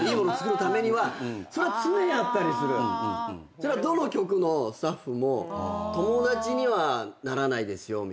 それはどの局のスタッフも友達にはならないですよみたいな。